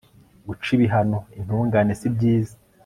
guca ibihano intungane si byiza